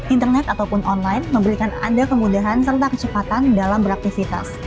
internet ataupun online memberikan anda kemudahan serta kecepatan dalam beraktivitas